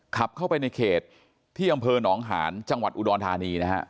ขับเข้าไปในเขตที่อำเภอหนองหานจังหวัดอุดรธานีนะฮะ